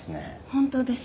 本当です。